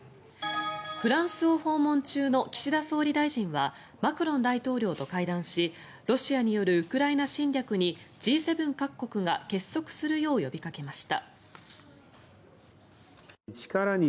フランスを訪問中の岸田総理大臣はマクロン大統領と会談しロシアによるウクライナ侵略にＧ７各国が結束するよう呼びかけました。